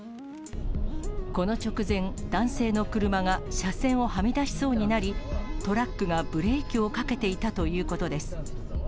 この直前、男性の車が車線をはみ出しそうになり、トラックがブレーキをかけていたということです。